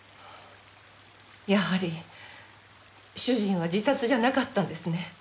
やはり主人は自殺じゃなかったんですね。